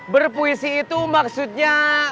berpuisi itu maksudnya